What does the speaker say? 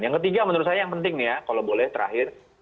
yang ketiga menurut saya yang penting nih ya kalau boleh terakhir